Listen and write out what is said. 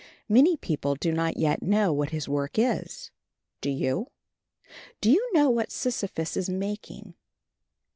Many people do not yet know what his work is. Do you? Do you know what Sisyphus is making?